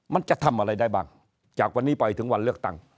มันจะทำอะไรได้บ้างจากวันนี้ไปถึงวันเลือกตั้ง